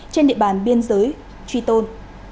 trên địa bàn biên giới triton